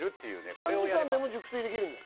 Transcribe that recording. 短時間でも熟睡できるんです